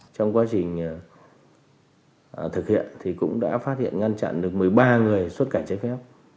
trong quá trình thực hiện thì cũng đã phát hiện ngăn chặn được một mươi ba người xuất cảnh trái phép